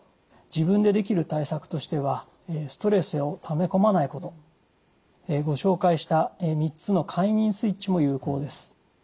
自分でできる対策としてはストレスをため込まないことご紹介した３つの快眠スイッチも有効です。